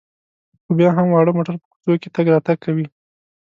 خو بیا هم واړه موټر په کوڅو کې تګ راتګ کوي.